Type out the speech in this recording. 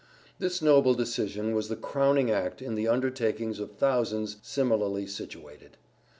This noble decision was the crowning act in the undertakings of thousands similarly situated.